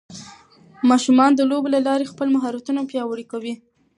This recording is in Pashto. ماشومان د لوبو له لارې خپل مهارتونه پیاوړي کوي.